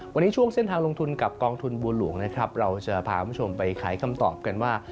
วันนี้ช่วงเส้นทางลงทุนกับกองทุนบัวหลวงนะครับเราจะพาคุณผู้ชมไปขายคำตอบกันว่า